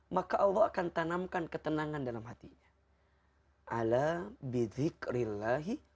maka allah akan tanamkan ketenangan dalam hatinya